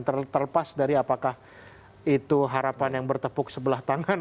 terlepas dari apakah itu harapan yang bertepuk sebelah tangan